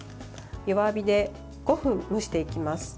弱火で５分蒸していきます。